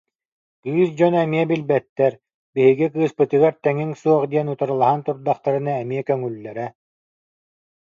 Кыыс дьоно эмиэ билбэттэр, биһиги кыыспытыгар тэҥиҥ суох диэн утарылаһан турдахтарына эмиэ көҥүллэрэ